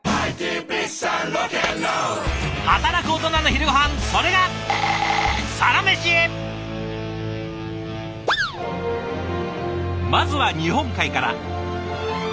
働くオトナの昼ごはんそれがまずは日本海から。